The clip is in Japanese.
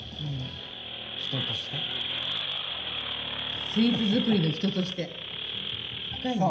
深いねスイーツ作りの人として。